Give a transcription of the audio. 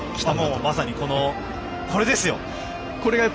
まさに、これですよ。